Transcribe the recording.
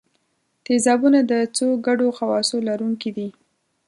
تیزابونه د څو ګډو خواصو لرونکي دي.